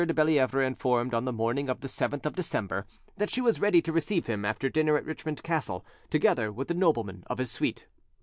de Bellievre informed on the morning of the 7th of December that she was ready to receive him after dinner at Richmond Castle, together with the noblemen of his suite.